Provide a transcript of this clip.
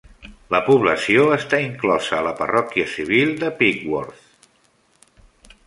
La població està inclosa a la parròquia civil de Pickworth.